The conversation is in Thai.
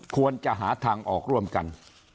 ควรจะหาทางออกร่วมกัน